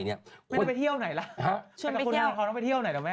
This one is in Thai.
เป็นแต่คุณธนทรลน้อยไปเที่ยวเลยนะแม่